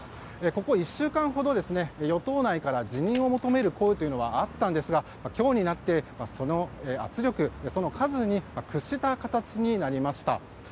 ここ１週間ほど、与党内から辞任を求める声はあったんですが今日になってその圧力、その数に屈した形になりました。